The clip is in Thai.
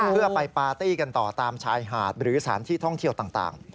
เพื่อไปปาร์ตี้กันต่อตามชายหาดหรือสถานที่ท่องเที่ยวต่าง